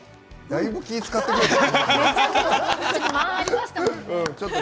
だいぶ気を遣ってくれた。